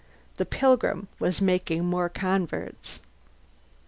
The Pilgrim was making more converts!